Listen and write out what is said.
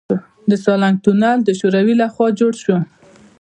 د سالنګ تونل د شوروي لخوا جوړ شو